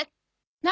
何？